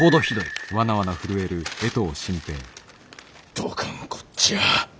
どがんこっじゃ！